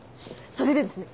それでですね